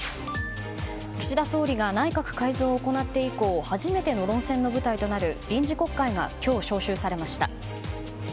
岸田総理が内閣改造を行って以降初めての論戦の舞台となる臨時国会が今日、召集されました。